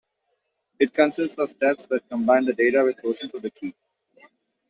It consists of steps that combine the data with portions of the key.